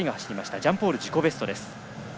ジャンポールは自己ベストです。